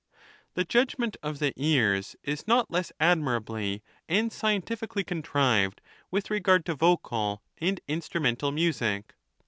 The judgment of the ears is not less admirably and scientifically contrived j*vith regard to vocal and instru mental music.